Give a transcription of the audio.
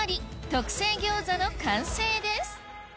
特製餃子の完成です！